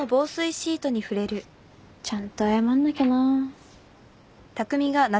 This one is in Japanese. ちゃんと謝んなきゃなぁ。